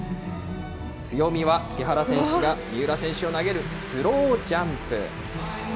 強みは木原選手が三浦選手を投げる、スロージャンプ。